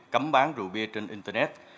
cấm bán rượu bia trên internet